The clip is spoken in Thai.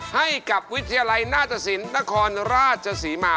ให้กับวิทยาลัยหน้าตสินนครราชศรีมา